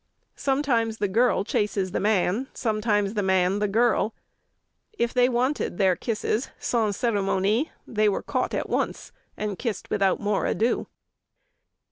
Sometimes the girl chases the man, sometimes the man the girl. If they wanted their kisses sans ceremonie they were caught at once, and kissed without more ado."